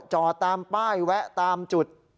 จอดตามป้ายแวะตามจุด